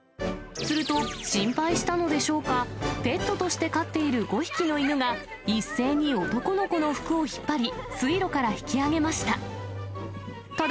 すると、心配したのでしょうか、ペットとして飼っている５匹の犬が、一斉に男の子の服を引っ張り、水路から引き上げました。